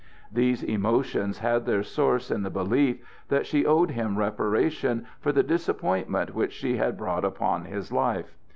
These emotions had their source in the belief that she owed him reparation for the disappointment which she had brought upon his life.